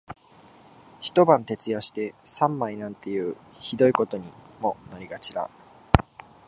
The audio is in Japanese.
一晩徹夜して三枚なんていう酷いことにもなりがちだ